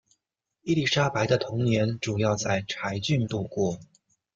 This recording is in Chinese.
伊丽莎白的童年主要在柴郡度过。